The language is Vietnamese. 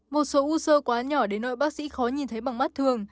một số u sơ quá nhỏ đến nội bác sĩ khó nhìn thấy bằng mắt thường